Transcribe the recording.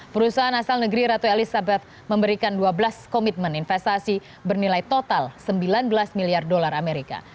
perusahaan asal negeri ratu elizabeth memberikan dua belas komitmen investasi bernilai total sembilan belas miliar dolar amerika